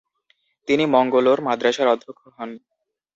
তিনি মঙ্গলোর মাদ্রাসার অধ্যক্ষ হন।